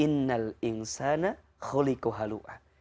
innal insana khuliku halu'a